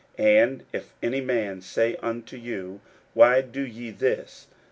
41:011:003 And if any man say unto you, Why do ye this?